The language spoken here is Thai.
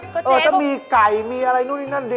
ก็เจ๊ก็เออจะมีไก่มีอะไรนู่นนี่นั่นดิ